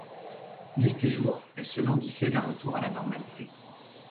Nuit et jour, elle se languissait d'un retour à la normalité.